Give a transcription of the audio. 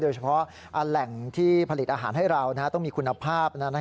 โดยเฉพาะแหล่งที่ผลิตอาหารให้เรานะต้องมีคุณภาพนะนะ